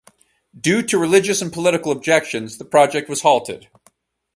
Due to religious and political objections, the project was halted.